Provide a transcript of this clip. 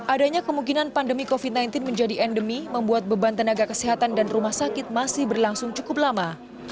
adanya kemungkinan pandemi covid sembilan belas menjadi endemi membuat beban tenaga kesehatan dan rumah sakit masih berlangsung cukup lama